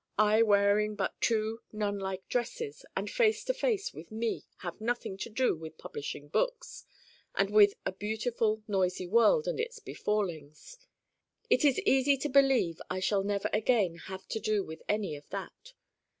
I wearing but two nunlike dresses and face to face with me, have nothing to do with publishing books and with the beautiful noisy world and its befallings. It is easy to believe I shall never again have to do with any of that.